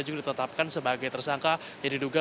juga ditetapkan sebagai tersangka jadi juga